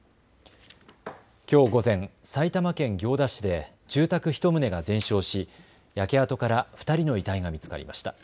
きょう午前、埼玉県行田市で住宅１棟が全焼し焼け跡から２人の遺体が見つかりました。